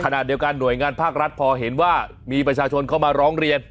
ขณะเดียวกันหน่วยงานภาครัฐพอเห็นว่ามีประชาชนเข้ามาร้องเรียน